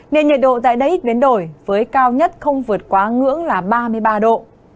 nên nhiệt độ tại đây ít biến đổi với cao nhất không vượt quá ngưỡng là ba mươi ba độ